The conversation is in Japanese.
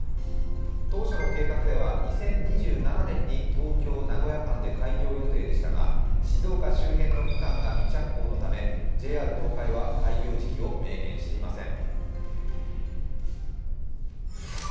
当初の計画では２０２７年に東京−名古屋間で開業予定でしたが、静岡周辺の区間が未着工のため、ＪＲ東海は開業時期を明言していません。